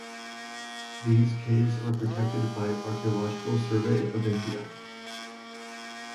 These caves are protected by Archaeological Survey of India.